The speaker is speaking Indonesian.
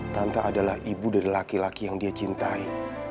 tanta adalah ibu dari laki laki yang dia cintai